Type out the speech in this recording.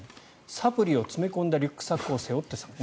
サプリを詰め込んだリュックサックを背負って参加。